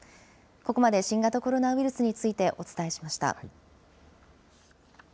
ここまで新型コロナウイルスについてお伝えしました。